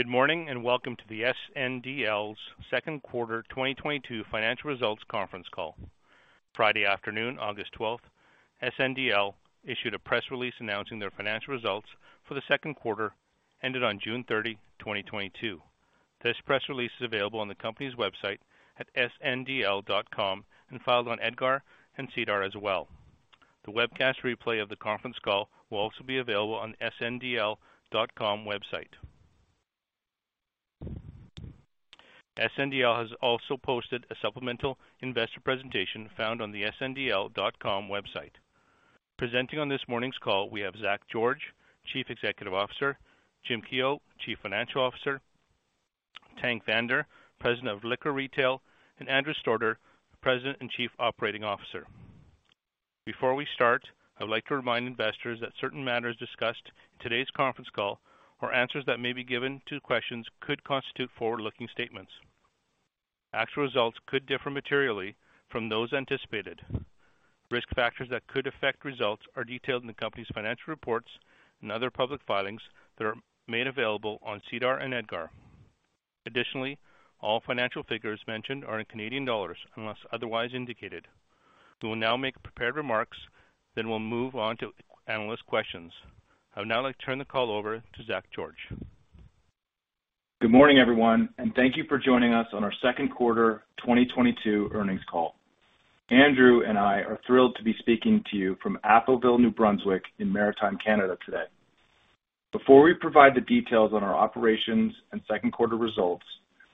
Good morning, and welcome to the SNDL's second quarter 2022 financial results conference call. Friday afternoon, August 12, SNDL issued a press release announcing their financial results for the second quarter ended on June 30, 2022. This press release is available on the company's website at sndl.com and filed on EDGAR and SEDAR as well. The webcast replay of the conference call will also be available on sndl.com website. SNDL has also posted a supplemental investor presentation found on the sndl.com website. Presenting on this morning's call, we have Zach George, Chief Executive Officer, Jim Keough, Chief Financial Officer, Tank Vander, President of Liquor Retail, and Andrew Stordeur, President and Chief Operating Officer. Before we start, I'd like to remind investors that certain matters discussed in today's conference call or answers that may be given to questions could constitute forward-looking statements. Actual results could differ materially from those anticipated. Risk factors that could affect results are detailed in the company's financial reports and other public filings that are made available on SEDAR and EDGAR. Additionally, all financial figures mentioned are in Canadian dollars unless otherwise indicated. We will now make prepared remarks, then we'll move on to analyst questions. I would now like to turn the call over to Zach George. Good morning, everyone, and thank you for joining us on our second quarter 2022 earnings call. Andrew and I are thrilled to be speaking to you from Atholville, New Brunswick in Maritime Canada today. Before we provide the details on our operations and second quarter results,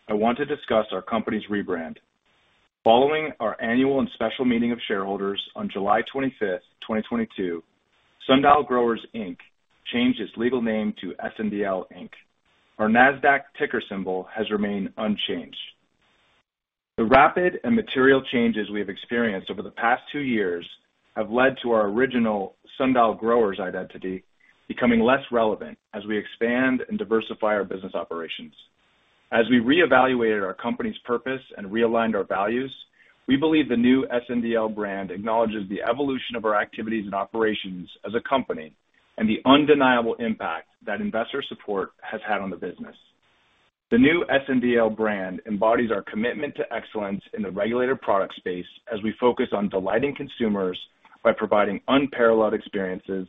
I want to discuss our company's rebrand. Following our annual and special meeting of shareholders on July 25th, 2022, Sundial Growers Inc. changed its legal name to SNDL Inc. Our Nasdaq ticker symbol has remained unchanged. The rapid and material changes we have experienced over the past two years have led to our original Sundial Growers identity becoming less relevant as we expand and diversify our business operations. As we reevaluated our company's purpose and realigned our values, we believe the new SNDL brand acknowledges the evolution of our activities and operations as a company and the undeniable impact that investor support has had on the business. The new SNDL brand embodies our commitment to excellence in the regulated product space as we focus on delighting consumers by providing unparalleled experiences,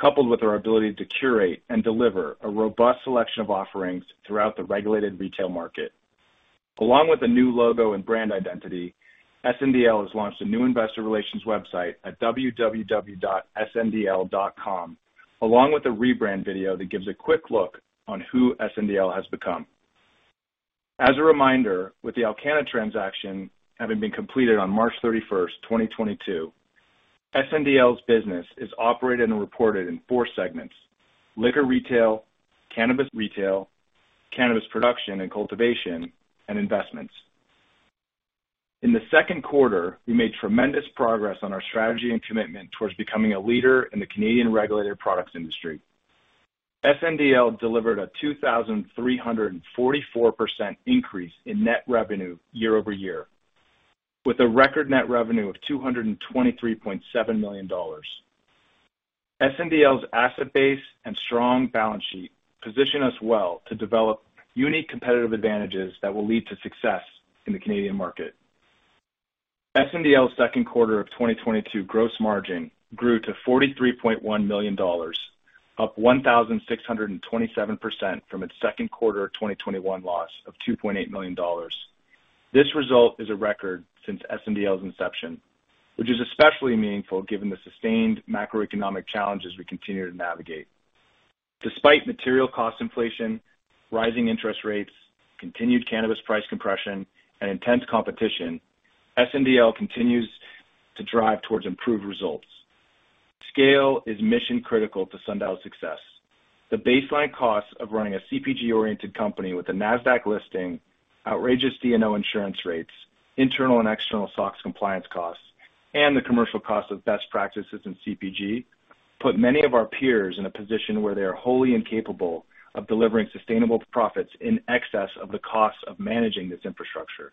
coupled with our ability to curate and deliver a robust selection of offerings throughout the regulated retail market. Along with the new logo and brand identity, SNDL has launched a new investor relations website at www.sndl.com, along with a rebrand video that gives a quick look on who SNDL has become. As a reminder, with the Alcanna transaction having been completed on March 31st, 2022, SNDL's business is operated and reported in four segments, liquor retail, cannabis retail, cannabis production and cultivation, and investments. In the second quarter, we made tremendous progress on our strategy and commitment towards becoming a leader in the Canadian regulated products industry. SNDL delivered a 2,344% increase in net revenue year-over-year, with a record net revenue of 223.7 million dollars. SNDL's asset base and strong balance sheet position us well to develop unique competitive advantages that will lead to success in the Canadian market. SNDL's second quarter of 2022 gross margin grew to 43.1 million dollars, up 1,627% from its second quarter of 2021 loss of 2.8 million dollars. This result is a record since SNDL's inception, which is especially meaningful given the sustained macroeconomic challenges we continue to navigate. Despite material cost inflation, rising interest rates, continued cannabis price compression, and intense competition, SNDL continues to drive towards improved results. Scale is mission critical to Sundial's success. The baseline cost of running a CPG-oriented company with a Nasdaq listing, outrageous D&O insurance rates, internal and external SOX compliance costs, and the commercial cost of best practices in CPG, put many of our peers in a position where they are wholly incapable of delivering sustainable profits in excess of the cost of managing this infrastructure.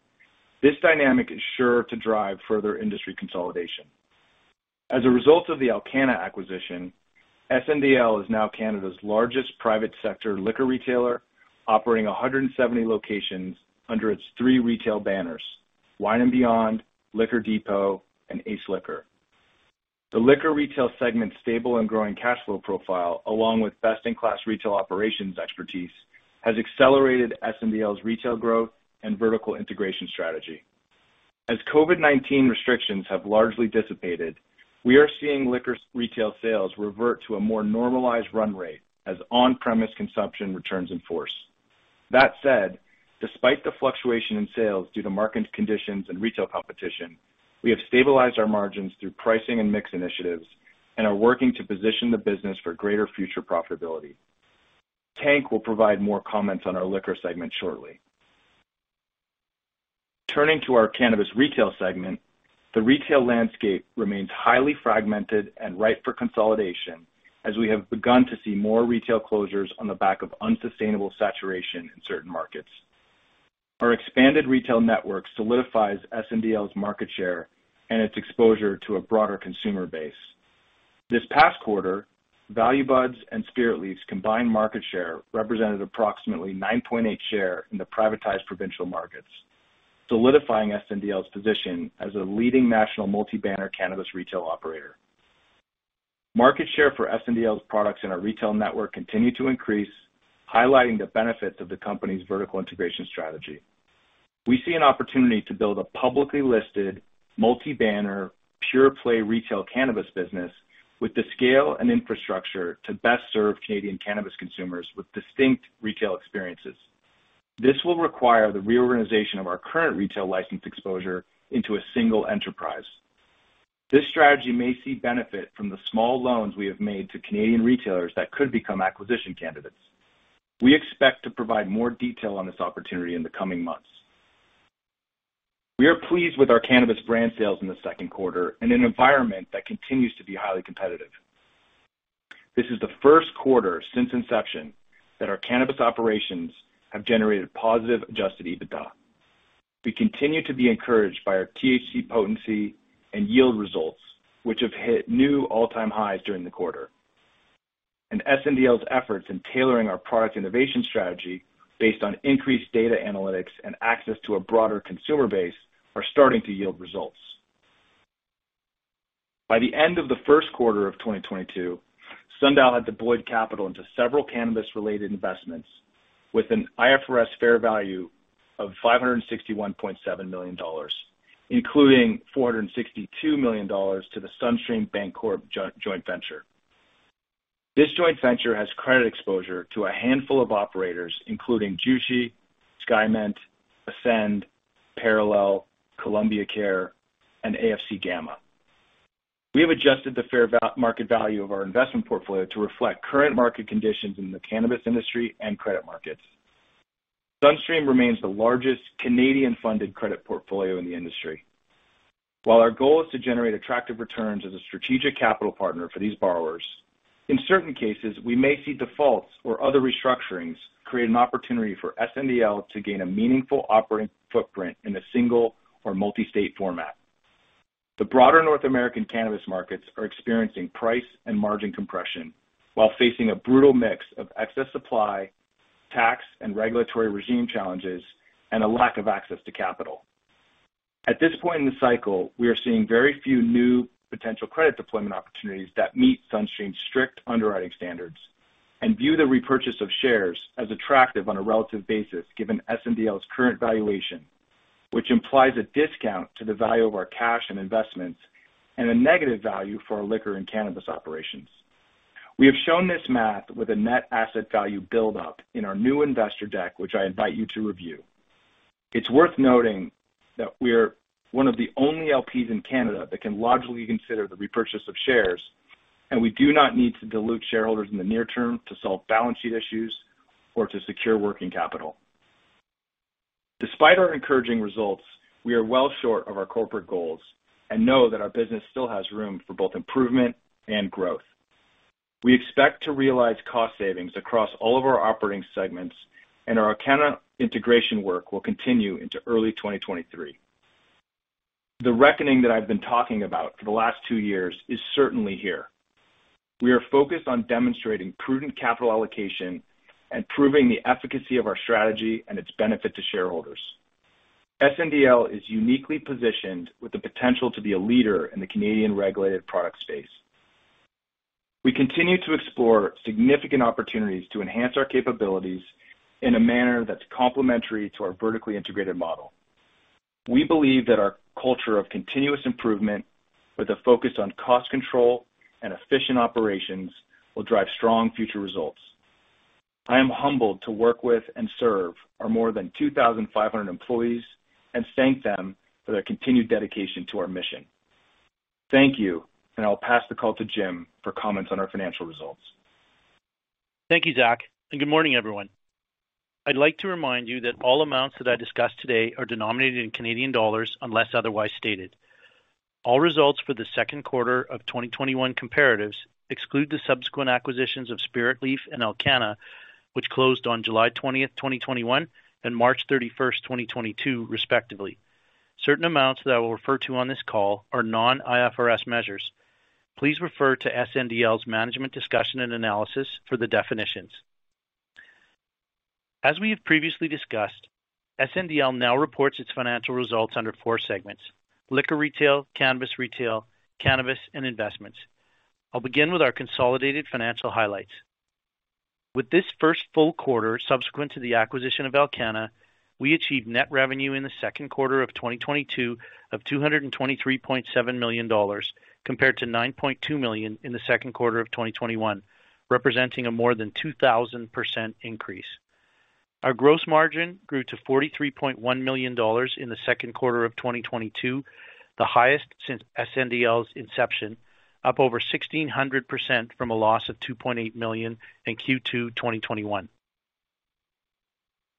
This dynamic is sure to drive further industry consolidation. As a result of the Alcanna acquisition, SNDL is now Canada's largest private sector liquor retailer, operating 170 locations under its three retail banners, Wine and Beyond, Liquor Depot, and Ace Liquor. The liquor retail segment's stable and growing cash flow profile, along with best-in-class retail operations expertise, has accelerated SNDL's retail growth and vertical integration strategy. As COVID-19 restrictions have largely dissipated, we are seeing liquor retail sales revert to a more normalized run rate as on-premise consumption returns in force. That said, despite the fluctuation in sales due to market conditions and retail competition, we have stabilized our margins through pricing and mix initiatives and are working to position the business for greater future profitability. Tank will provide more comments on our liquor segment shortly. Turning to our cannabis retail segment, the retail landscape remains highly fragmented and ripe for consolidation as we have begun to see more retail closures on the back of unsustainable saturation in certain markets. Our expanded retail network solidifies SNDL's market share and its exposure to a broader consumer base. This past quarter, Value Buds and Spiritleaf's combined market share represented approximately 9.8% in the privatized provincial markets, solidifying SNDL's position as a leading national multi-banner cannabis retail operator. Market share for SNDL's products in our retail network continued to increase, highlighting the benefits of the company's vertical integration strategy. We see an opportunity to build a publicly listed multi-banner pure play retail cannabis business with the scale and infrastructure to best serve Canadian cannabis consumers with distinct retail experiences. This will require the reorganization of our current retail license exposure into a single enterprise. This strategy may see benefit from the small loans we have made to Canadian retailers that could become acquisition candidates. We expect to provide more detail on this opportunity in the coming months. We are pleased with our cannabis brand sales in the second quarter in an environment that continues to be highly competitive. This is the first quarter since inception that our cannabis operations have generated positive adjusted EBITDA. We continue to be encouraged by our THC potency and yield results, which have hit new all-time highs during the quarter, and SNDL's efforts in tailoring our product innovation strategy based on increased data analytics and access to a broader consumer base are starting to yield results. By the end of the first quarter of 2022, Sundial had deployed capital into several cannabis related investments with an IFRS fair value of 561.7 million dollars, including 462 million dollars to the SunStream Bancorp joint venture. This joint venture has credit exposure to a handful of operators, including Jushi, Skymint, Ascend, Parallel, Columbia Care, and AFC Gamma. We have adjusted the fair market value of our investment portfolio to reflect current market conditions in the cannabis industry and credit markets. SunStream remains the largest Canadian funded credit portfolio in the industry. While our goal is to generate attractive returns as a strategic capital partner for these borrowers, in certain cases, we may see defaults or other restructurings create an opportunity for SNDL to gain a meaningful operating footprint in a single or multi-state format. The broader North American Cannabis markets are experiencing price and margin compression while facing a brutal mix of excess supply, tax and regulatory regime challenges, and a lack of access to capital. At this point in the cycle, we are seeing very few new potential credit deployment opportunities that meet SunStream's strict underwriting standards and view the repurchase of shares as attractive on a relative basis, given SNDL's current valuation, which implies a discount to the value of our cash and investments and a negative value for our liquor and cannabis operations. We have shown this math with a net asset value build up in our new investor deck, which I invite you to review. It's worth noting that we are one of the only LPs in Canada that can logically consider the repurchase of shares, and we do not need to dilute shareholders in the near term to solve balance sheet issues or to secure working capital. Despite our encouraging results, we are well short of our corporate goals and know that our business still has room for both improvement and growth. We expect to realize cost savings across all of our operating segments, and our Alcanna integration work will continue into early 2023. The reckoning that I've been talking about for the last two years is certainly here. We are focused on demonstrating prudent capital allocation and proving the efficacy of our strategy and its benefit to shareholders. SNDL is uniquely positioned with the potential to be a leader in the Canadian regulated product space. We continue to explore significant opportunities to enhance our capabilities in a manner that's complementary to our vertically integrated model. We believe that our culture of continuous improvement with a focus on cost control and efficient operations will drive strong future results. I am humbled to work with and serve our more than 2,500 employees and thank them for their continued dedication to our mission. Thank you. I'll pass the call to Jim for comments on our financial results. Thank you, Zach, and good morning, everyone. I'd like to remind you that all amounts that I discuss today are denominated in Canadian dollars unless otherwise stated. All results for the second quarter of 2021 comparatives exclude the subsequent acquisitions of Spiritleaf and Alcanna, which closed on July twentieth, 2021 and March thirty-first, 2022, respectively. Certain amounts that I will refer to on this call are non-IFRS measures. Please refer to SNDL's management discussion and analysis for the definitions. As we have previously discussed, SNDL now reports its financial results under four segments: Liquor Retail, Cannabis Retail, Cannabis, and Investments. I'll begin with our consolidated financial highlights. With this first full quarter subsequent to the acquisition of Alcanna, we achieved net revenue in the second quarter of 2022 of 223.7 million dollars, compared to 9.2 million in the second quarter of 2021, representing a more than 2,000% increase. Our gross margin grew to 43.1 million dollars in the second quarter of 2022, the highest since SNDL's inception, up over 1,600% from a loss of 2.8 million in Q2 2021.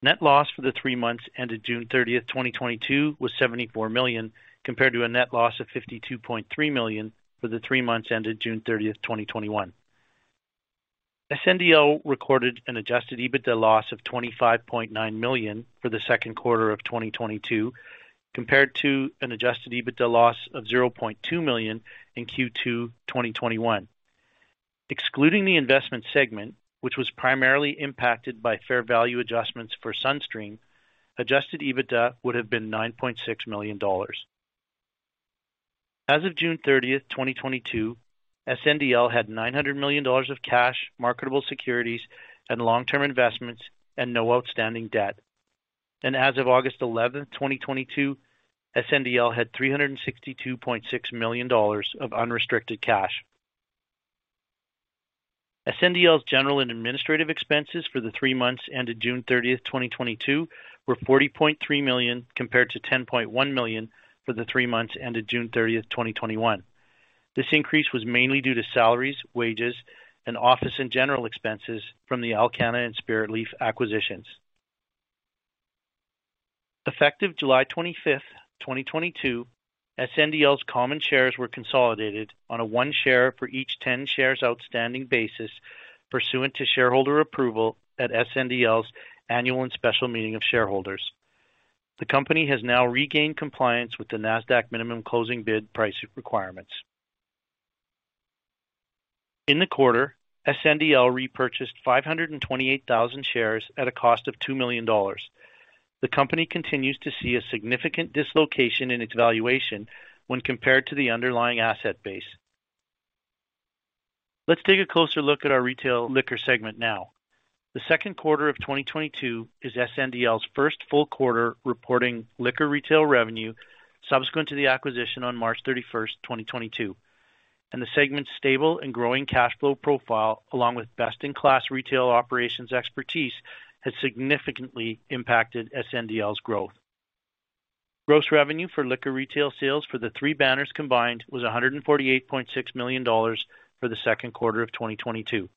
Net loss for the three months ended June 30th, 2022 was 74 million, compared to a net loss of 52.3 million for the three months ended June thirtieth, 2021. SNDL recorded an adjusted EBITDA loss of 25.9 million for the second quarter of 2022, compared to an adjusted EBITDA loss of 0.2 million in Q2 2021. Excluding the investment segment, which was primarily impacted by fair value adjustments for SunStream, adjusted EBITDA would have been 9.6 million dollars. As of June 30th, 2022, SNDL had 900 million dollars of cash, marketable securities, and long-term investments and no outstanding debt. As of August 11th, 2022, SNDL had 362.6 million dollars of unrestricted cash. SNDL's general and administrative expenses for the three months ended June 30th, 2022 were 40.3 million, compared to 10.1 million for the three months ended June 30th, 2021. This increase was mainly due to salaries, wages, and office and general expenses from the Alcanna and Spiritleaf acquisitions. Effective July 25th, 2022, SNDL's common shares were consolidated on a one share for each 10 shares outstanding basis pursuant to shareholder approval at SNDL's annual and special meeting of shareholders. The company has now regained compliance with the Nasdaq minimum closing bid price requirements. In the quarter, SNDL repurchased 528,000 shares at a cost of 2 million dollars. The company continues to see a significant dislocation in its valuation when compared to the underlying asset base. Let's take a closer look at our retail liquor segment now. The second quarter of 2022 is SNDL's first full quarter reporting liquor retail revenue subsequent to the acquisition on March 31st, 2022, and the segment's stable and growing cash flow profile, along with best-in-class retail operations expertise, has significantly impacted SNDL's growth. Gross revenue for liquor retail sales for the three banners combined was 148.6 million dollars for the second quarter of 2022.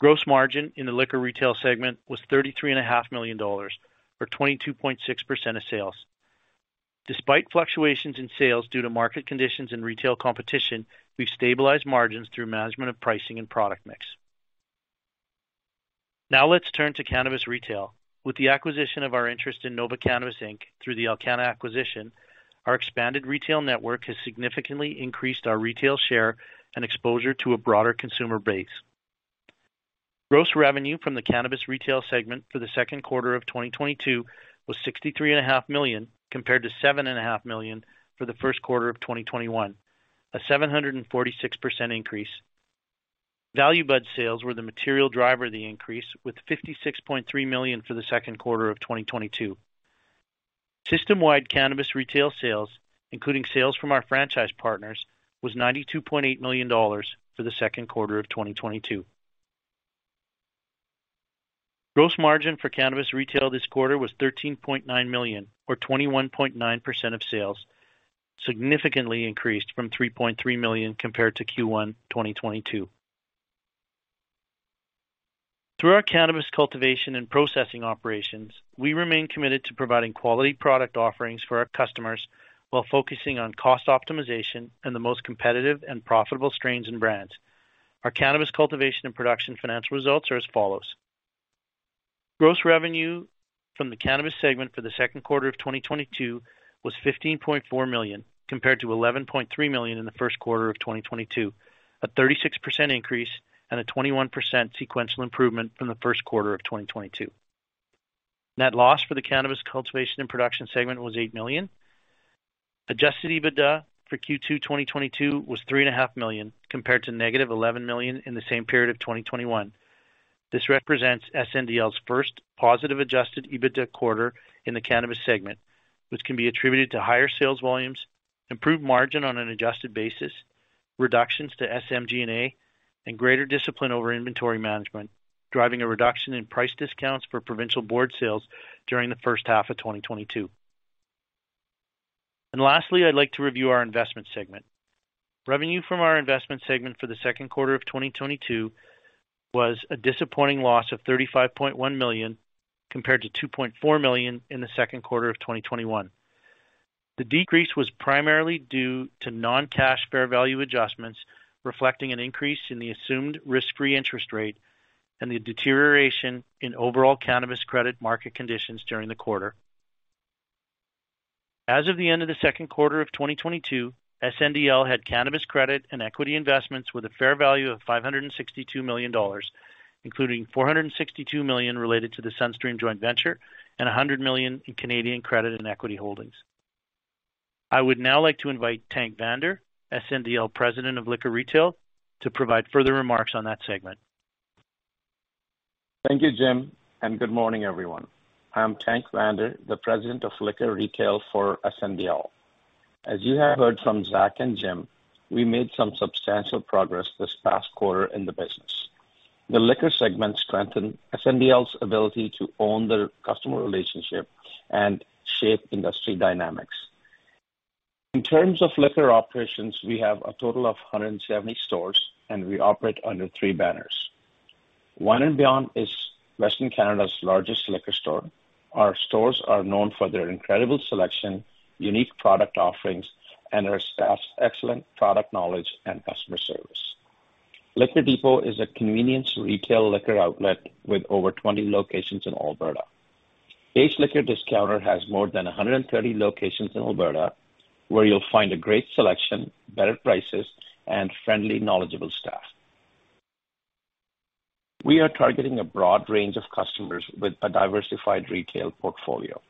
Gross margin in the liquor retail segment was 33.5 million dollars, or 22.6% of sales. Despite fluctuations in sales due to market conditions and retail competition, we've stabilized margins through management of pricing and product mix. Now let's turn to cannabis retail. With the acquisition of our interest in Nova Cannabis Inc. through the Alcanna acquisition, our expanded retail network has significantly increased our retail share and exposure to a broader consumer base. Gross revenue from the cannabis retail segment for the second quarter of 2022 was 63.5 million, compared to 7.5 million for the first quarter of 2021, a 746% increase. Value Buds sales were the material driver of the increase, with 56.3 million for the second quarter of 2022. System-wide cannabis retail sales, including sales from our franchise partners, was 92.8 million dollars for the second quarter of 2022. Gross margin for cannabis retail this quarter was 13.9 million or 21.9% of sales, significantly increased from 3.3 million compared to Q1 2022. Through our cannabis cultivation and processing operations, we remain committed to providing quality product offerings for our customers while focusing on cost optimization and the most competitive and profitable strains and brands. Our cannabis cultivation and production financial results are as follows: Gross revenue from the cannabis segment for the second quarter of 2022 was 15.4 million, compared to 11.3 million in the first quarter of 2022. A 36% increase and a 21% sequential improvement from the first quarter of 2022. Net loss for the cannabis cultivation and production segment was 8 million. Adjusted EBITDA for Q2 2022 was 3.5 million, compared to -11 million in the same period of 2021. This represents SNDL's first positive adjusted EBITDA quarter in the cannabis segment, which can be attributed to higher sales volumes, improved margin on an adjusted basis, reductions to SG&A, and greater discipline over inventory management, driving a reduction in price discounts for provincial board sales during the first half of 2022. Lastly, I'd like to review our investment segment. Revenue from our investment segment for the second quarter of 2022 was a disappointing loss of 35.1 million, compared to 2.4 million in the second quarter of 2021. The decrease was primarily due to non-cash fair value adjustments, reflecting an increase in the assumed risk-free interest rate and the deterioration in overall cannabis credit market conditions during the quarter. As of the end of the second quarter of 2022, SNDL had cannabis credit and equity investments with a fair value of 562 million dollars, including 462 million related to the SunStream joint venture and 100 million in Canadian credit and equity holdings. I would now like to invite Tank Vander, President of Liquor Retail, SNDL, to provide further remarks on that segment. Thank you, Jim, and good morning, everyone. I'm Tank Vander, the President of Liquor Retail for SNDL. As you have heard from Zach and Jim, we made some substantial progress this past quarter in the business. The liquor segment strengthened SNDL's ability to own the customer relationship and shape industry dynamics. In terms of liquor operations, we have a total of 170 stores, and we operate under three banners. Wine and Beyond is Western Canada's largest liquor store. Our stores are known for their incredible selection, unique product offerings, and their staff's excellent product knowledge and customer service. Liquor Depot is a convenience retail liquor outlet with over 20 locations in Alberta. Ace Liquor Discounter has more than 130 locations in Alberta, where you'll find a great selection, better prices, and friendly, knowledgeable staff. We are targeting a broad range of customers with a diversified retail portfolio.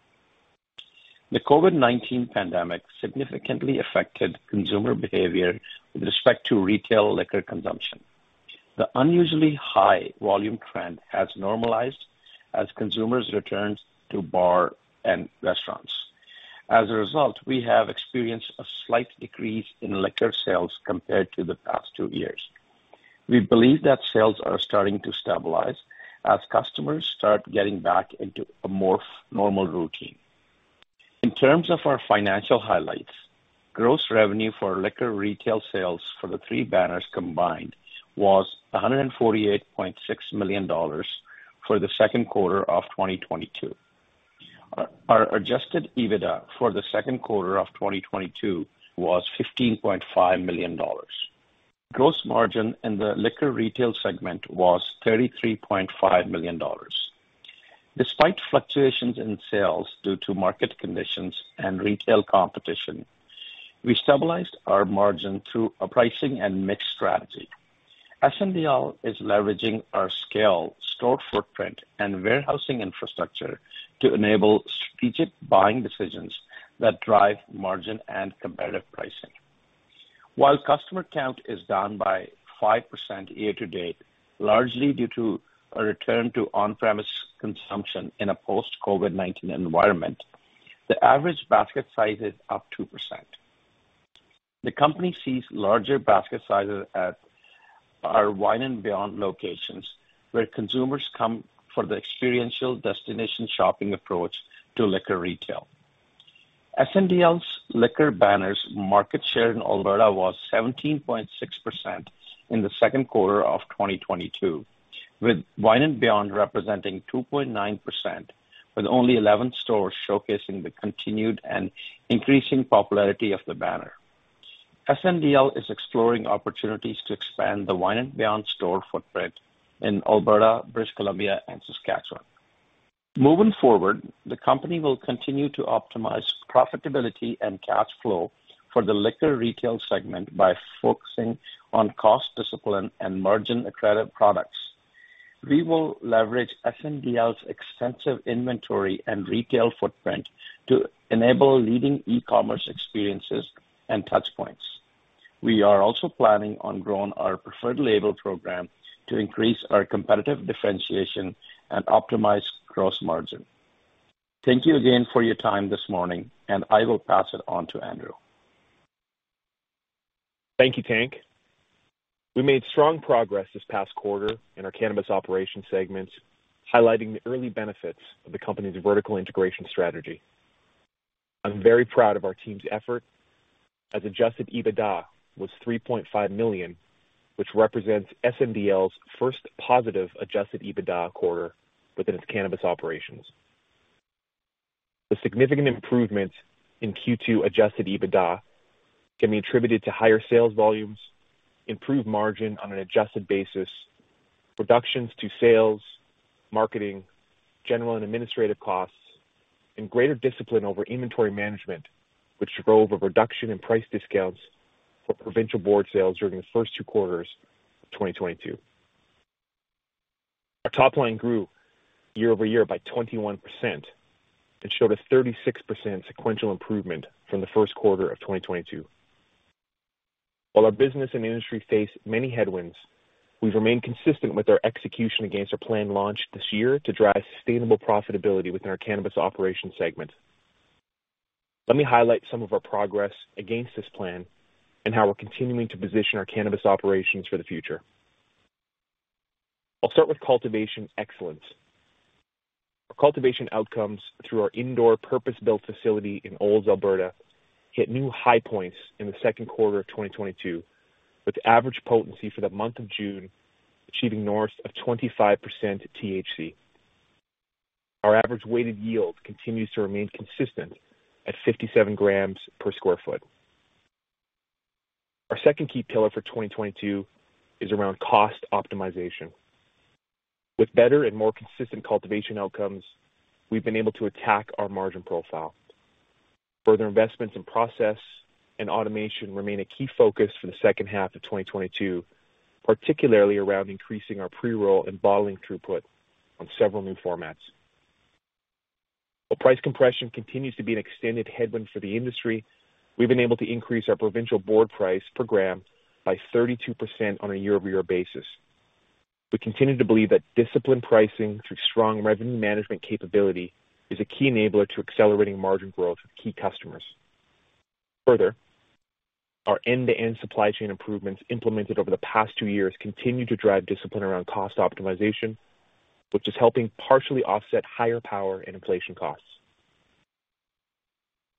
The COVID-19 pandemic significantly affected consumer behavior with respect to retail liquor consumption. The unusually high volume trend has normalized as consumers returned to bar and restaurants. As a result, we have experienced a slight decrease in liquor sales compared to the past two years. We believe that sales are starting to stabilize as customers start getting back into a more normal routine. In terms of our financial highlights, gross revenue for liquor retail sales for the three banners combined was 148.6 million dollars for the second quarter of 2022. Our adjusted EBITDA for the second quarter of 2022 was 15.5 million dollars. Gross margin in the liquor retail segment was 33.5 million dollars. Despite fluctuations in sales due to market conditions and retail competition, we stabilized our margin through a pricing and mix strategy. SNDL is leveraging our scale, store footprint, and warehousing infrastructure to enable strategic buying decisions that drive margin and competitive pricing. While customer count is down by 5% year to date, largely due to a return to on-premise consumption in a post-COVID-19 environment, the average basket size is up 2%. The company sees larger basket sizes at our Wine and Beyond locations, where consumers come for the experiential destination shopping approach to liquor retail. SNDL's liquor banners' market share in Alberta was 17.6% in the second quarter of 2022, with Wine and Beyond representing 2.9%, with only 11 stores showcasing the continued and increasing popularity of the banner. SNDL is exploring opportunities to expand the Wine and Beyond store footprint in Alberta, British Columbia, and Saskatchewan. Moving forward, the company will continue to optimize profitability and cash flow for the liquor retail segment by focusing on cost discipline and margin-accretive products. We will leverage SNDL's extensive inventory and retail footprint to enable leading e-commerce experiences and touch points. We are also planning on growing our preferred label program to increase our competitive differentiation and optimize gross margin. Thank you again for your time this morning, and I will pass it on to Andrew. Thank you, Tank. We made strong progress this past quarter in our cannabis operation segments, highlighting the early benefits of the company's vertical integration strategy. I'm very proud of our team's effort as adjusted EBITDA was 3.5 million, which represents SNDL's first positive adjusted EBITDA quarter within its cannabis operations. The significant improvements in Q2 adjusted EBITDA can be attributed to higher sales volumes, improved margin on an adjusted basis, reductions to sales, marketing, general and administrative costs, and greater discipline over inventory management, which drove a reduction in price discounts for provincial board sales during the first two quarters of 2022. Our top line grew year-over-year by 21% and showed a 36% sequential improvement from the first quarter of 2022. While our business and industry face many headwinds, we've remained consistent with our execution against our planned launch this year to drive sustainable profitability within our cannabis operations segment. Let me highlight some of our progress against this plan and how we're continuing to position our cannabis operations for the future. I'll start with cultivation excellence. Our cultivation outcomes through our indoor purpose-built facility in Olds, Alberta, hit new high points in the second quarter of 2022, with average potency for the month of June achieving north of 25% THC. Our average weighted yield continues to remain consistent at 57 g per sq ft. Our second key pillar for 2022 is around cost optimization. With better and more consistent cultivation outcomes, we've been able to attack our margin profile. Further investments in process and automation remain a key focus for the second half of 2022, particularly around increasing our pre-roll and bottling throughput on several new formats. While price compression continues to be an extended headwind for the industry, we've been able to increase our provincial board price per gram by 32% on a year-over-year basis. We continue to believe that disciplined pricing through strong revenue management capability is a key enabler to accelerating margin growth with key customers. Further, our end-to-end supply chain improvements implemented over the past two years continue to drive discipline around cost optimization, which is helping partially offset higher power and inflation costs.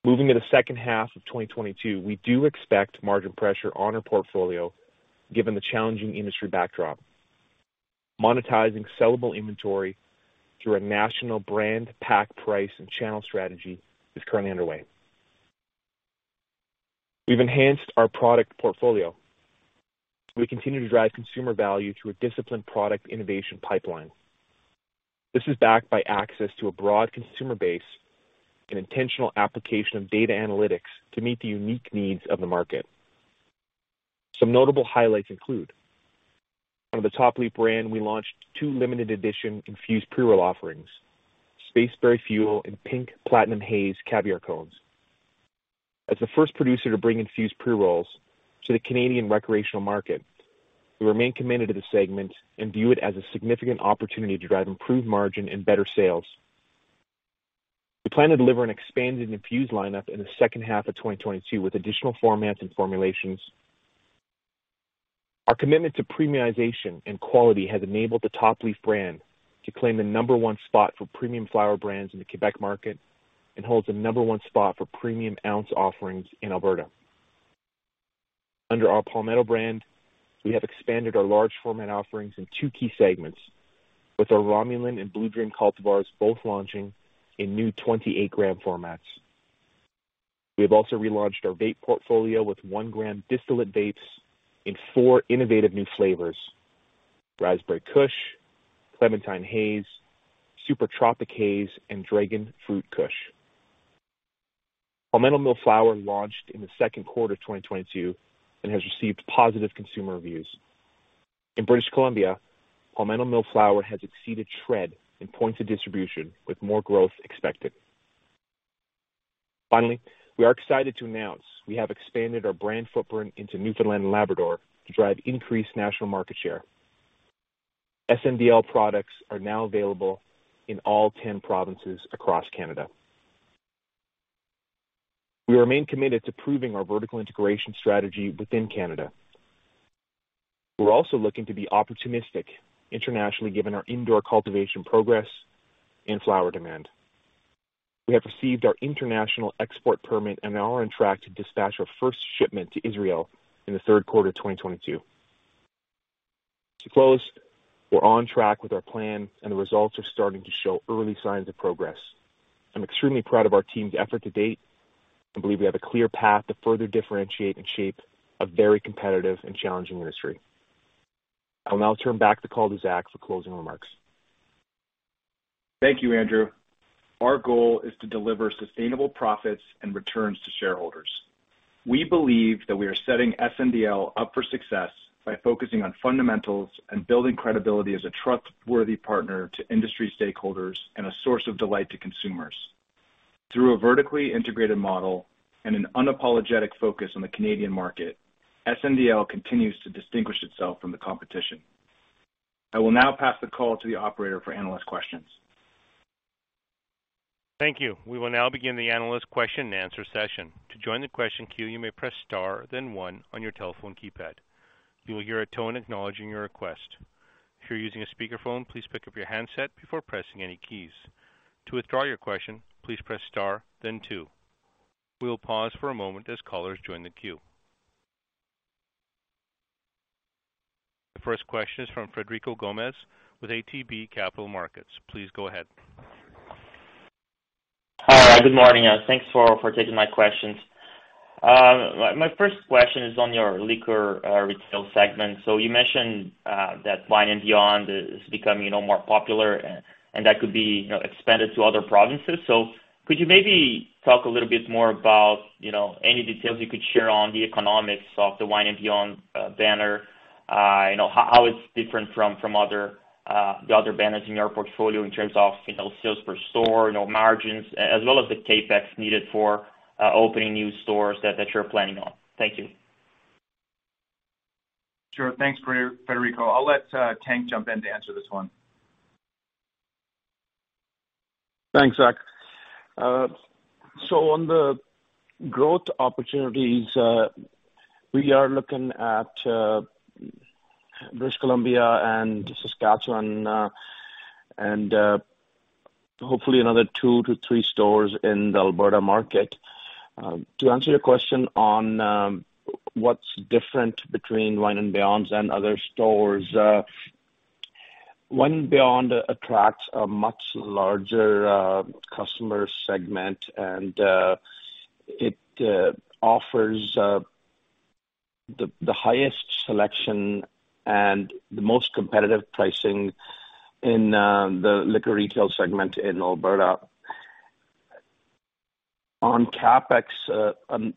Moving to the second half of 2022, we do expect margin pressure on our portfolio given the challenging industry backdrop. Monetizing sellable inventory through a national brand pack price and channel strategy is currently underway. We've enhanced our product portfolio. We continue to drive consumer value through a disciplined product innovation pipeline. This is backed by access to a broad consumer base and intentional application of data analytics to meet the unique needs of the market. Some notable highlights include under the Top Leaf brand, we launched two limited edition infused pre-roll offerings, Spaceberry Fuel and Pink Platinum Haze Caviar Cones. As the first producer to bring infused pre-rolls to the Canadian recreational market, we remain committed to the segment and view it as a significant opportunity to drive improved margin and better sales. We plan to deliver an expanded infused lineup in the second half of 2022 with additional formats and formulations. Our commitment to premiumization and quality has enabled the Top Leaf brand to claim the number one spot for premium flower brands in the Québec market and holds the number one spot for premium ounce offerings in Alberta. Under our Palmetto brand, we have expanded our large format offerings in two key segments, with our Romulan and Blue Dream cultivars both launching in new 28 g formats. We have also relaunched our vape portfolio with 1 g distillate vapes in four innovative new flavors, Raspberry Kush, Clementine Haze, Super Tropic Haze, and Dragon Fruit Kush. Palmetto Milled Flower launched in the second quarter of 2022 and has received positive consumer reviews. In British Columbia, Palmetto Milled Flower has exceeded trend in points of distribution with more growth expected. Finally, we are excited to announce we have expanded our brand footprint into Newfoundland and Labrador to drive increased national market share. SNDL products are now available in all 10 provinces across Canada. We remain committed to proving our vertical integration strategy within Canada. We're also looking to be opportunistic internationally, given our indoor cultivation progress and flower demand. We have received our international export permit and are on track to dispatch our first shipment to Israel in the third quarter of 2022. To close, we're on track with our plan and the results are starting to show early signs of progress. I'm extremely proud of our team's effort to date and believe we have a clear path to further differentiate and shape a very competitive and challenging industry. I will now turn back the call to Zach for closing remarks. Thank you, Andrew. Our goal is to deliver sustainable profits and returns to shareholders. We believe that we are setting SNDL up for success by focusing on fundamentals and building credibility as a trustworthy partner to industry stakeholders and a source of delight to consumers. Through a vertically integrated model and an unapologetic focus on the Canadian market, SNDL continues to distinguish itself from the competition. I will now pass the call to the operator for analyst questions. Thank you. We will now begin the analyst Q&A session. To join the question queue, you may press star, then one on your telephone keypad. You will hear a tone acknowledging your request. If you're using a speakerphone, please pick up your handset before pressing any keys. To withdraw your question, please press star then two. We will pause for a moment as callers join the queue. The first question is from Frederico Gomes with ATB Capital Markets. Please go ahead. Hi. Good morning. Thanks for taking my questions. My first question is on your liquor retail segment. You mentioned that Wine and Beyond is becoming more popular and that could be, you know, expanded to other provinces. Could you maybe talk a little bit more about, you know, any details you could share on the economics of the Wine and Beyond banner? You know, how it's different from the other banners in your portfolio in terms of, you know, sales per store, you know, margins as well as the CapEx needed for opening new stores that you're planning on. Thank you. Sure. Thanks, Frederico. I'll let Tank jump in to answer this one. Thanks, Zach. So on the growth opportunities, we are looking at British Columbia and Saskatchewan, and hopefully another two to three stores in the Alberta market. To answer your question on what's different between Wine and Beyond and other stores, Wine and Beyond attracts a much larger customer segment, and it offers the highest selection and the most competitive pricing in the liquor retail segment in Alberta. On CapEx, the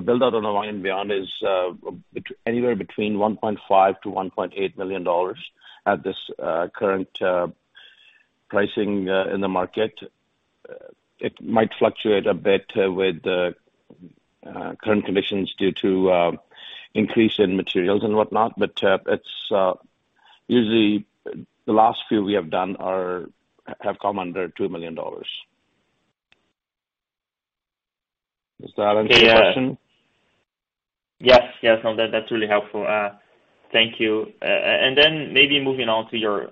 build out on a Wine and Beyond is anywhere between 1.5 million-1.8 million dollars at this current pricing in the market. It might fluctuate a bit with the current conditions due to increase in materials and whatnot, but it's usually the last few we have done have come under 2 million dollars. Does that answer your question? Yes. Yes. No, that's really helpful. Thank you. And then maybe moving on to your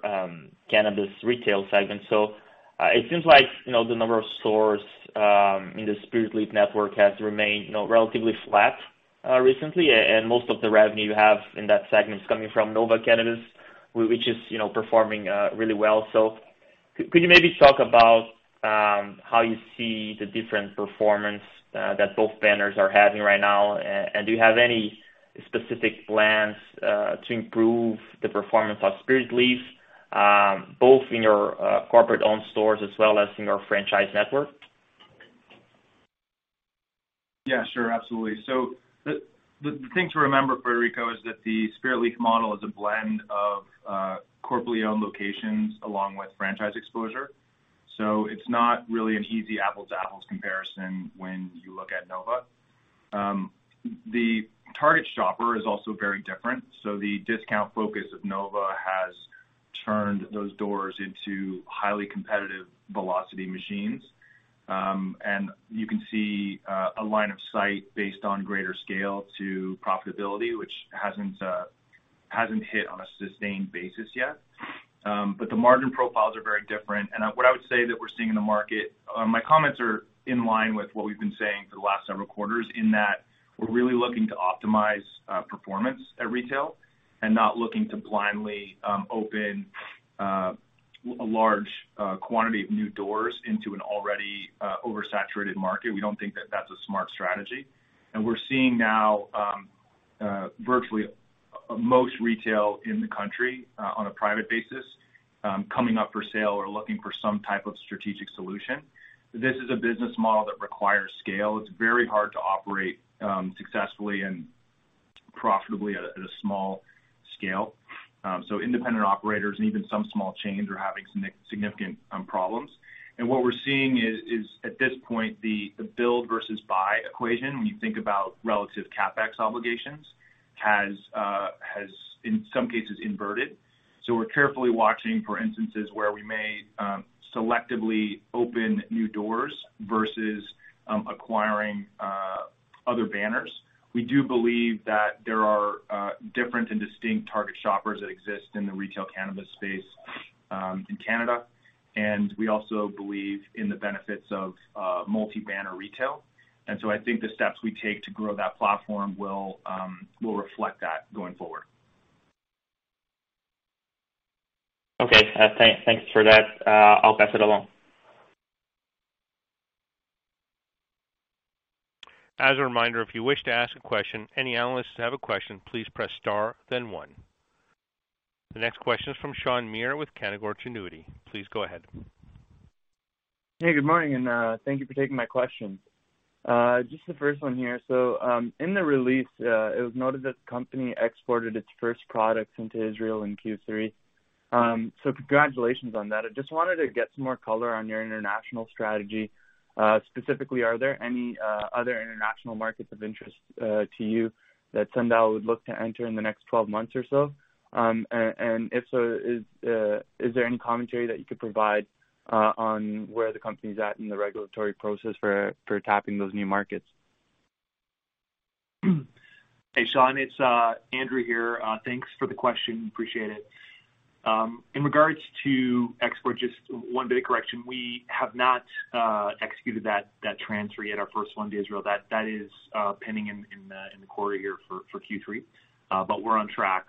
cannabis retail segment. So, it seems like, you know, the number of stores in the Spiritleaf network has remained, you know, relatively flat recently, and most of the revenue you have in that segment is coming from Nova Cannabis, which is, you know, performing really well. So could you maybe talk about how you see the different performance that both banners are having right now? And do you have any specific plans to improve the performance of Spiritleaf both in your corporate-owned stores as well as in your franchise network? Yeah, sure. Absolutely. The thing to remember, Frederico, is that the Spiritleaf model is a blend of corporately owned locations along with franchise exposure. It's not really an easy apples to apples comparison when you look at Nova. The target shopper is also very different. The discount focus of Nova has turned those doors into highly competitive velocity machines. You can see a line of sight based on greater scale to profitability, which hasn't hit on a sustained basis yet. The margin profiles are very different. What I would say that we're seeing in the market, my comments are in line with what we've been saying for the last several quarters in that we're really looking to optimize performance at retail and not looking to blindly open a large quantity of new doors into an already oversaturated market. We don't think that that's a smart strategy. We're seeing now virtually most retail in the country on a private basis coming up for sale or looking for some type of strategic solution. This is a business model that requires scale. It's very hard to operate successfully and profitably at a small scale. So independent operators and even some small chains are having significant problems. What we're seeing is at this point, the build versus buy equation, when you think about relative CapEx obligations, has in some cases inverted. We're carefully watching for instances where we may selectively open new doors versus acquiring other banners. We do believe that there are different and distinct target shoppers that exist in the retail cannabis space in Canada, and we also believe in the benefits of multi-banner retail. I think the steps we take to grow that platform will reflect that going forward. Okay. Thanks for that. I'll pass it along. As a reminder, if you wish to ask a question, any analysts that have a question, please press star then one. The next question is from Sean Muir with Canaccord Genuity. Please go ahead. Hey, good morning, and thank you for taking my question. Just the first one here. So, in the release, it was noted that the company exported its first products into Israel in Q3. So congratulations on that. I just wanted to get some more color on your international strategy. Specifically, are there any other international markets of interest to you that Sundial would look to enter in the next 12 months or so? And if so, is there any commentary that you could provide on where the company's at in the regulatory process for tapping those new markets? Hey, Sean, it's Andrew here. Thanks for the question. Appreciate it. In regards to export, just one bit of correction. We have not executed that transfer yet, our first one to Israel. That is pending in the quarter here for Q3. We're on track.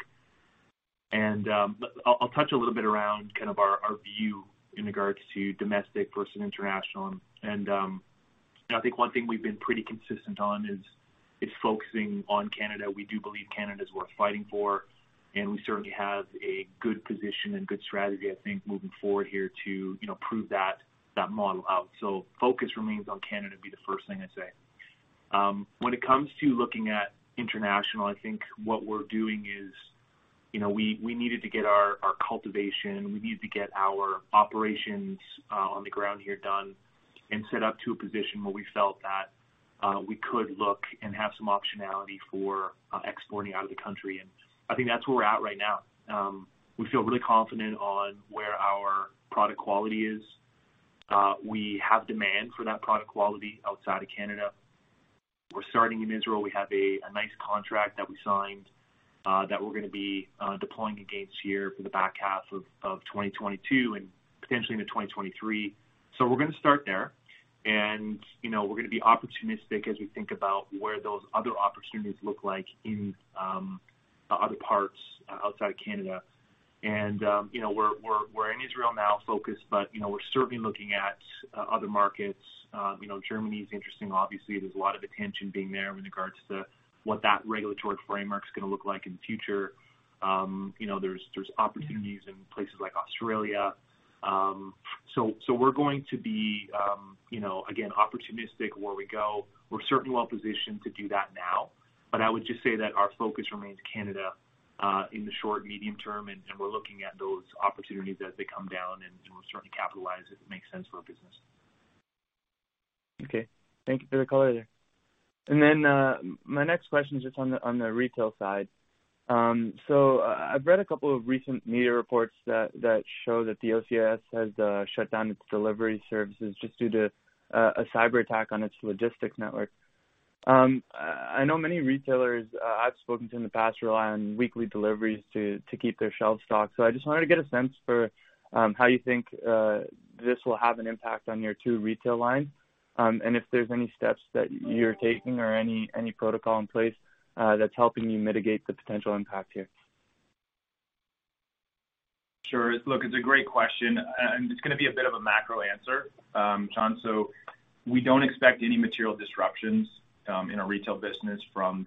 I'll touch a little bit around kind of our view in regards to domestic versus international. I think one thing we've been pretty consistent on is focusing on Canada. We do believe Canada is worth fighting for, and we certainly have a good position and good strategy, I think, moving forward here to you know prove that model out. Focus remains on Canada, would be the first thing I'd say. When it comes to looking at international, I think what we're doing is, you know, we needed to get our cultivation, we needed to get our operations on the ground here done and set up to a position where we felt that we could look and have some optionality for exporting out of the country. I think that's where we're at right now. We feel really confident on where our product quality is. We have demand for that product quality outside of Canada. We're starting in Israel. We have a nice contract that we signed that we're gonna be deploying against here for the back half of 2022 and potentially into 2023. We're gonna start there. You know, we're gonna be opportunistic as we think about where those other opportunities look like in other parts outside Canada. You know, we're in Israel now focused, but you know, we're certainly looking at other markets. You know, Germany is interesting. Obviously, there's a lot of attention being there in regards to what that regulatory framework's gonna look like in the future. You know, there's opportunities in places like Australia. So we're going to be you know, again, opportunistic where we go. We're certainly well-positioned to do that now. I would just say that our focus remains Canada in the short, medium term, and we're looking at those opportunities as they come down, and we'll certainly capitalize if it makes sense for our business. Okay. Thank you for the color there. My next question is just on the retail side. I've read a couple of recent media reports that show that the OCS has shut down its delivery services just due to a cyberattack on its logistics network. I know many retailers I've spoken to in the past rely on weekly deliveries to keep their shelves stocked. I just wanted to get a sense for how you think this will have an impact on your two retail lines. If there's any steps that you're taking or any protocol in place that's helping you mitigate the potential impact here. Sure. Look, it's a great question, and it's gonna be a bit of a macro answer, Sean. We don't expect any material disruptions in our retail business from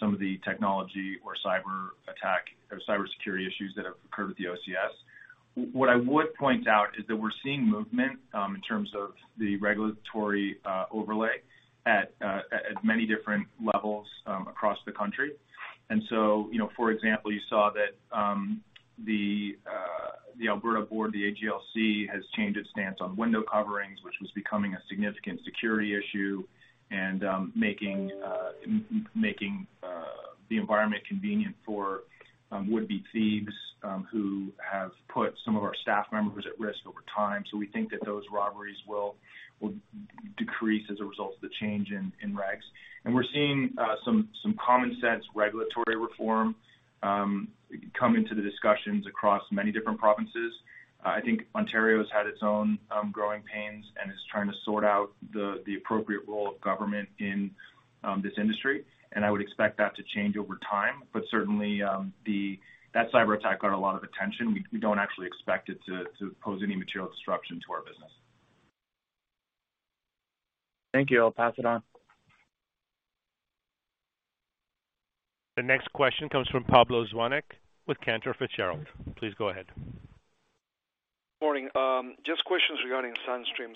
some of the technology or cyberattack or cybersecurity issues that have occurred with the OCS. What I would point out is that we're seeing movement in terms of the regulatory overlay at many different levels across the country. You know, for example, you saw that the Alberta board, the AGLC, has changed its stance on window coverings, which was becoming a significant security issue and making the environment convenient for would-be thieves who have put some of our staff members at risk over time. We think that those robberies will decrease as a result of the change in regs. We're seeing some common sense regulatory reform come into the discussions across many different provinces. I think Ontario has had its own growing pains and is trying to sort out the appropriate role of government in this industry. I would expect that to change over time. Certainly, that cyberattack got a lot of attention. We don't actually expect it to pose any material disruption to our business. Thank you. I'll pass it on. The next question comes from Pablo Zuanic with Cantor Fitzgerald. Please go ahead. Morning. Just questions regarding SunStream.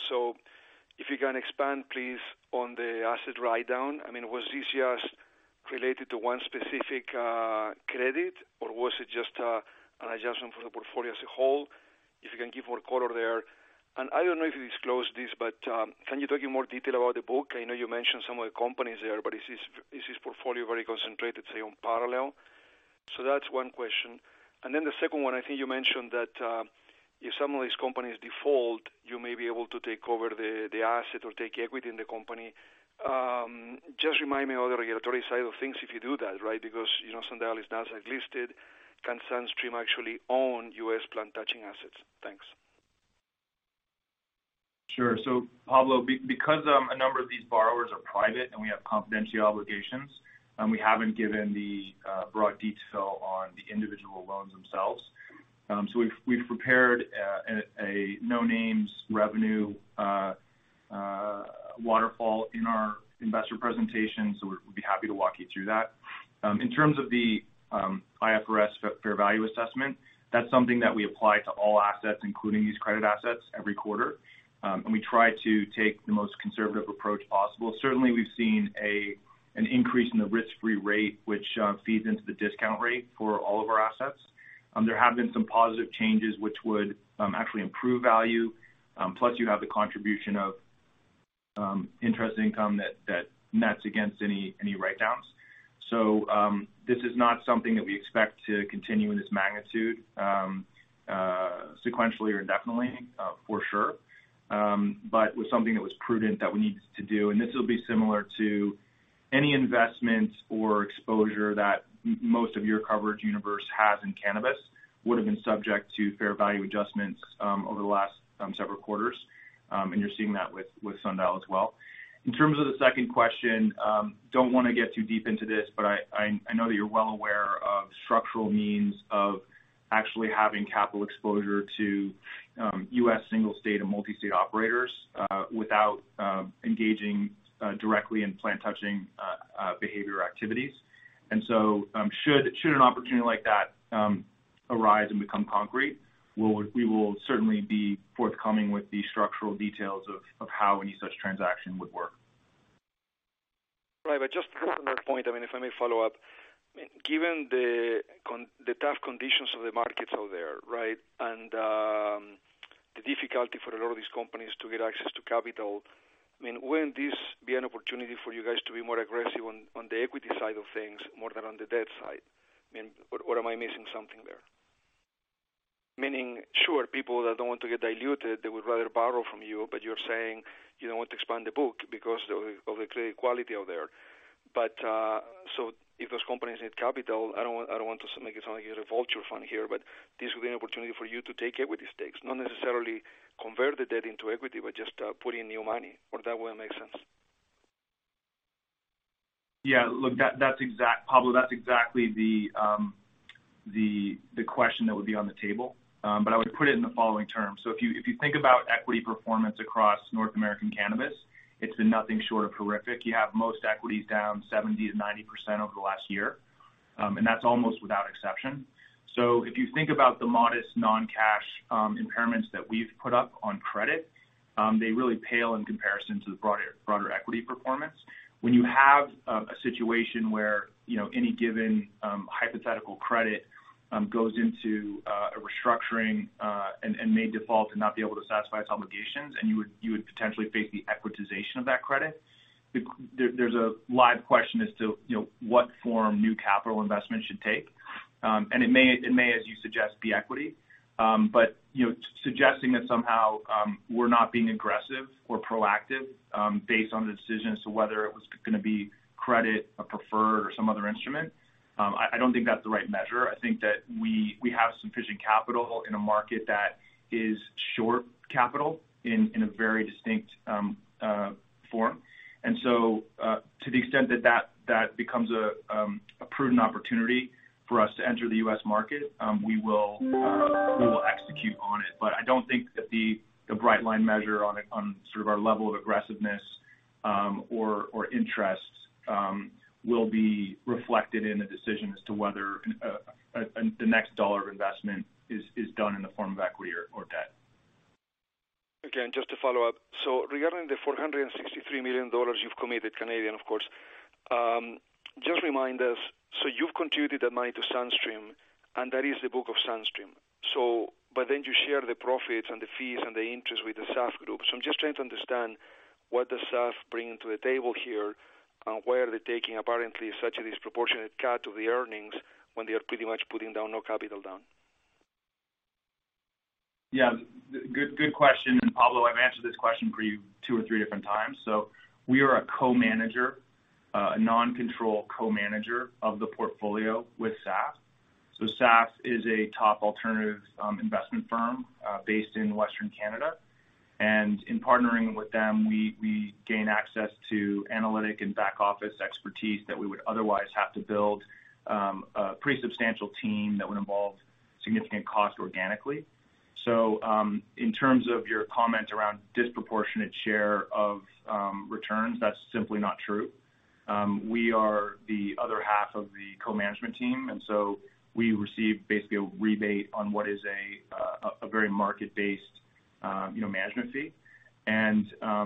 If you can expand, please, on the asset write-down, I mean, was this just related to one specific credit, or was it just an adjustment for the portfolio as a whole? If you can give more color there. I don't know if you disclosed this, but can you talk in more detail about the book? I know you mentioned some of the companies there, but is this portfolio very concentrated, say, on Parallel? That's one question. Then the second one, I think you mentioned that if some of these companies default, you may be able to take over the asset or take equity in the company. Just remind me of the regulatory side of things if you do that, right? Because, you know, Sundial is Nasdaq-listed. Can SunStream actually own U.S. plant-touching assets? Thanks. Sure. Pablo, because a number of these borrowers are private and we have confidentiality obligations, we haven't given the broad detail on the individual loans themselves. We've prepared a no-names revenue waterfall in our investor presentation, so we'd be happy to walk you through that. In terms of the IFRS fair value assessment, that's something that we apply to all assets, including these credit assets every quarter. We try to take the most conservative approach possible. Certainly, we've seen an increase in the risk-free rate, which feeds into the discount rate for all of our assets. There have been some positive changes which would actually improve value. Plus you have the contribution of interest income that nets against any write downs. This is not something that we expect to continue in this magnitude, sequentially or indefinitely, for sure. It was something that was prudent that we needed to do. This will be similar to any investment or exposure that most of your coverage universe has in cannabis would have been subject to fair value adjustments, over the last several quarters. You're seeing that with Sundial as well. In terms of the second question, don't wanna get too deep into this, but I know that you're well aware of structural means of actually having capital exposure to U.S. single state and multi-state operators, without engaging directly in plant touching behavior activities. Should an opportunity like that arise and become concrete, we will certainly be forthcoming with the structural details of how any such transaction would work. Right. Just one more point, I mean, if I may follow up. Given the tough conditions of the markets out there, right? The difficulty for a lot of these companies to get access to capital, I mean, wouldn't this be an opportunity for you guys to be more aggressive on the equity side of things more than on the debt side? I mean, or am I missing something there? Meaning, sure, people that don't want to get diluted, they would rather borrow from you, but you're saying you don't want to expand the book because of the credit quality out there. If those companies need capital, I don't want to make it sound like you're a vulture fund here, but this would be an opportunity for you to take equity stakes, not necessarily convert the debt into equity, but just put in new money. Or that wouldn't make sense? Yeah. Look, that's exactly Pablo, that's exactly the question that would be on the table. I would put it in the following terms. If you think about equity performance across North American Cannabis, it's been nothing short of horrific. You have most equities down 70%-90% over the last year. That's almost without exception. If you think about the modest non-cash impairments that we've put up on credit, they really pale in comparison to the broader equity performance. When you have a situation where, you know, any given hypothetical credit goes into a restructuring, and may default to not be able to satisfy its obligations, and you would potentially face the equitization of that credit, there's a live question as to, you know, what form new capital investment should take. It may, as you suggest, be equity. You know, suggesting that somehow we're not being aggressive or proactive, based on the decision as to whether it was gonna be credit or preferred or some other instrument, I don't think that's the right measure. I think that we have sufficient capital in a market that is short capital in a very distinct form. To the extent that that becomes a prudent opportunity for us to enter the U.S. market, we will execute on it. I don't think that the bright line measure on it, on sort of our level of aggressiveness, or interest, will be reflected in the decision as to whether the next dollar of investment is done in the form of equity or debt. Again, just to follow up. Regarding the 463 million dollars you've committed, Canadian, of course, just remind us, so you've contributed that money to SunStream, and that is the book of SunStream. But then you share the profits and the fees and the interest with the SAF Group. I'm just trying to understand what does SAF bring to the table here? Why are they taking apparently such a disproportionate cut of the earnings when they are pretty much putting down no capital down? Yeah, good question. Pablo Zuanic, I've answered this question for you two or three different times. We are a co-manager, a non-controlling co-manager of the portfolio with SAF. SAF is a top alternative investment firm based in Western Canada. In partnering with them, we gain access to analytical and back office expertise that we would otherwise have to build a pretty substantial team that would involve significant cost organically. In terms of your comment around disproportionate share of returns, that's simply not true. We are the other half of the co-management team, and so we receive basically a rebate on what is a very market-based, you know, management fee. I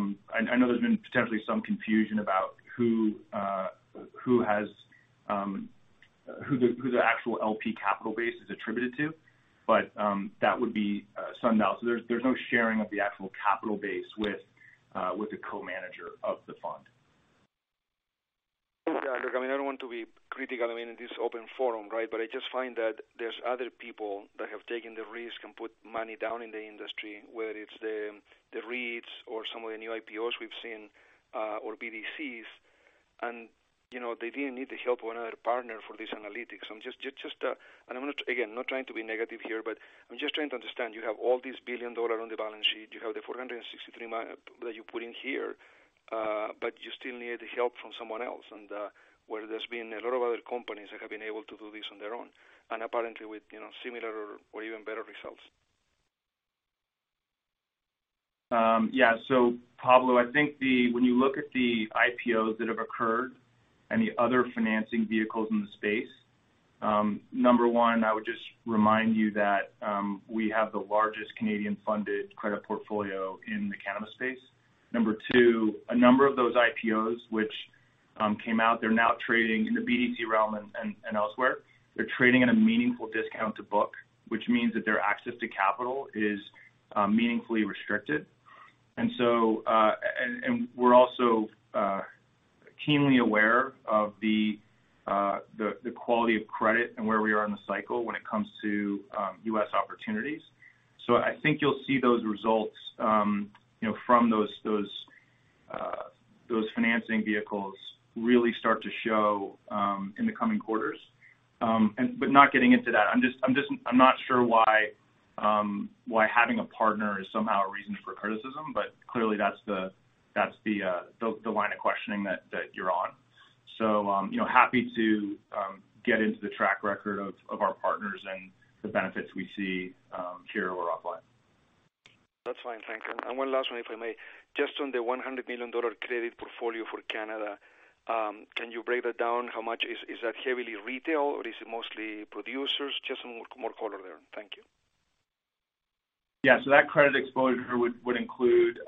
know there's been potentially some confusion about who the actual LP capital base is attributed to, but that would be SunStream. There's no sharing of the actual capital base with the co-manager of the fund. Thanks, Zach. I mean, I don't want to be critical, I mean, in this open forum, right? I just find that there's other people that have taken the risk and put money down in the industry, whether it's the REITs or some of the new IPOs we've seen, or BDCs, and, you know, they didn't need the help of another partner for this analytics. I'm just, and I'm not, again, not trying to be negative here, but I'm just trying to understand, you have all these billion dollar on the balance sheet, you have the 463 million that you put in here, but you still needed help from someone else. Where there's been a lot of other companies that have been able to do this on their own, and apparently with, you know, similar or even better results. Yeah. Pablo, I think when you look at the IPOs that have occurred and the other financing vehicles in the space, number one, I would just remind you that we have the largest Canadian-funded credit portfolio in the cannabis space. Number two, a number of those IPOs which came out, they're now trading in the BDC realm and elsewhere. They're trading at a meaningful discount to book, which means that their access to capital is meaningfully restricted. We're also keenly aware of the quality of credit and where we are in the cycle when it comes to U.S. opportunities. I think you'll see those results, you know, from those financing vehicles really start to show in the coming quarters. Not getting into that. I'm just not sure why having a partner is somehow a reason for criticism, but clearly that's the line of questioning that you're on. You know, happy to get into the track record of our partners and the benefits we see here or offline. That's fine. Thank you. One last one, if I may. Just on the 100 million dollar credit portfolio for Canada, can you break that down? How much is that heavily retail or is it mostly producers? Just more color there. Thank you. That credit exposure would include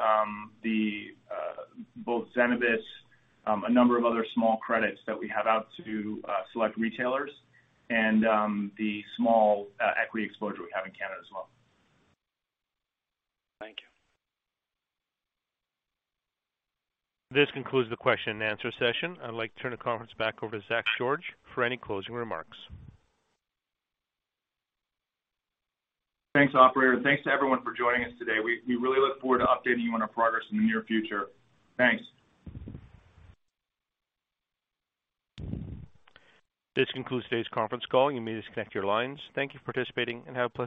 both Zenabis, a number of other small credits that we have out to select retailers and the small equity exposure we have in Canada as well. Thank you. This concludes the Q&A session. I'd like to turn the conference back over to Zach George for any closing remarks. Thanks, operator. Thanks to everyone for joining us today. We really look forward to updating you on our progress in the near future. Thanks. This concludes today's conference call. You may disconnect your lines. Thank you for participating, and have a pleasant day.